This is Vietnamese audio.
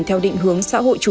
theo nguồn lực của tổ quốc